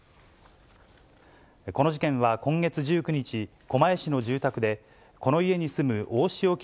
この事件は今月１９日、狛江市の住宅で、この家に住む大塩衣